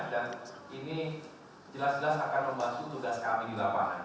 dan ini jelas jelas akan membantu tugas kami di lapangan